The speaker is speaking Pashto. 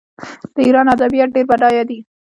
د ایران ادبیات ډیر بډایه دي.